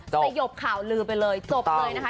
สะหยบข่าวลืมไปเลยก็เกิดจบเลยนะคะ